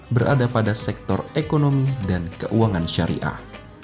berada pada sektor ekonomi dan keuangan syariah